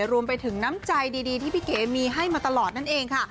รวมไปถึงน้ำใจดีที่พี่เก๋มีให้มาตลอดนั่นเองค่ะ